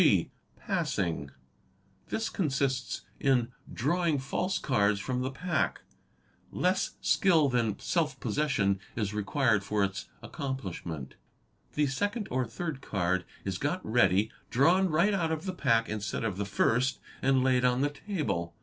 (g) Passing. 'This consists in drawing false cards from the pack. Less skill than self possession is required for its accomplishment. The second or third card is got ready, drawn right out of the pack instead of the first, and laid on the table.